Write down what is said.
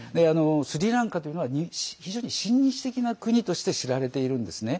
スリランカというのは非常に親日的な国として知られているんですね。